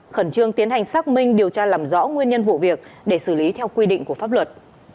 khẩn trương tiến hành xác minh điều tra làm rõ nguyên nhân vụ việc để xử lý theo quy định của pháp luật